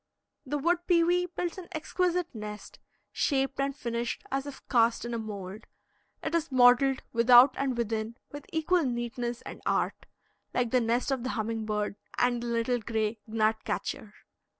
The wood pewee builds an exquisite nest, shaped and finished as if cast in a mould. It is modeled without and within with equal neatness and art, like the nest of the humming bird and the little gray gnat catcher.